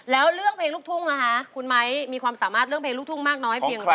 แล้วเรื่องเพลงลูกทุ่งนะคะคุณไม้มีความสามารถเรื่องเพลงลูกทุ่งมากน้อยเพียงพอ